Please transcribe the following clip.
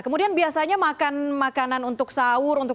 kemudian biasanya makan makanan untuk sahur